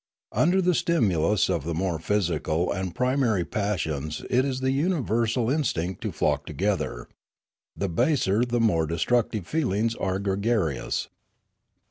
Under the stimulus of the more physical and primary passions it is the universal instinct to flock together. The baser, the more destructive feelings are gregarious.